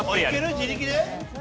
自力で？